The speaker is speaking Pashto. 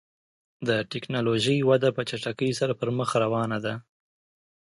د ټکنالوژۍ وده په چټکۍ سره پر مخ روانه ده.